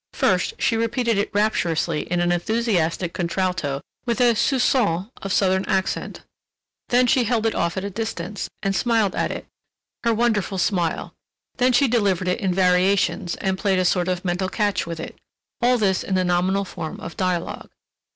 First, she repeated it rapturously in an enthusiastic contralto with a soupcon of Southern accent; then she held it off at a distance and smiled at it—her wonderful smile; then she delivered it in variations and played a sort of mental catch with it, all this in the nominal form of dialogue.